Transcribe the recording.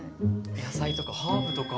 野菜とかハーブとか。